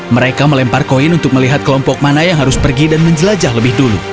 mereka melempar koin untuk melihat kelompok mana yang harus pergi dan menjelajah lebih dulu